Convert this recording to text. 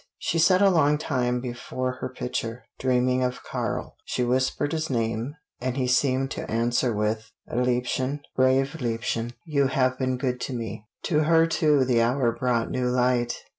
She sat a long time before her picture, dreaming of Karl. She whispered his name, and he seemed to answer with, "Liebchen brave liebchen you have been good to me." To her too the hour brought new light.